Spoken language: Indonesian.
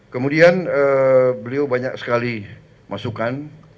kemudian beliau banyak sekali masukan